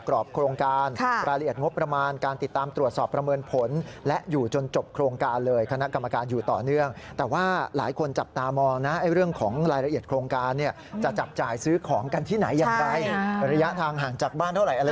ระยะทางห่างจากบ้านเท่าไหร่อะไรยังไงกันแน่นะฮะ